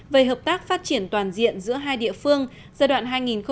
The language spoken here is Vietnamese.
về hợp tác phát triển toàn diện giữa hai địa phương giai đoạn hai nghìn một mươi sáu hai nghìn hai mươi